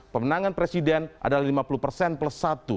pemenangan presiden adalah lima puluh persen plus satu